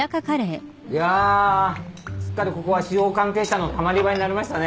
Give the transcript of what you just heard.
いやすっかりここは司法関係者のたまり場になりましたね。